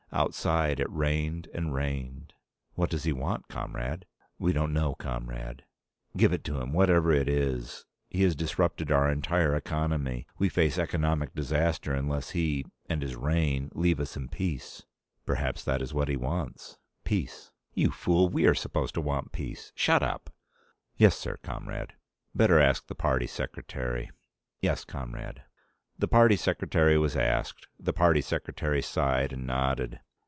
Outside it rained and rained. "What does he want, comrade?" "We don't know, comrade." "Give it to him whatever it is. He has disrupted our entire economy. We face economic disaster unless he and his rain leave us in peace." "Perhaps that is what he wants. Peace." "You fool! We are supposed to want peace. Shut up!" "Yes, sir. Comrade." "Better ask the party secretary." "Yes, comrade." The party secretary was asked. The party secretary sighed and nodded.